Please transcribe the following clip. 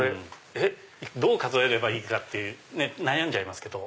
どう数えればいいかってね悩んじゃいますけど。